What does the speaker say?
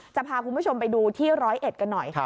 จะพาคุณผู้ชมไปดูที่ร้อยเอ็ดกันหน่อย